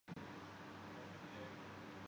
مستنصر حسین تارڑ مشہور سفرنامہ نگار ہیں۔